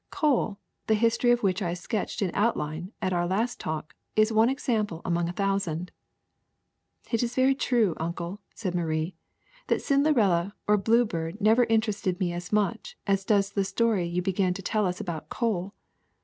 Coal, the history of which I sketched in outline at our last talk, is one example among a thousand.'' "It is very true. Uncle," said Marie, "that Cin derella or Bluebeard never interested me as does the story you began to tell us about coal.